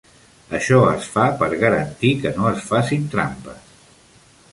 Això es fa per garantir que no es facin trampes.